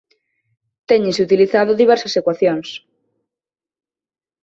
Téñense utilizado diversas ecuacións.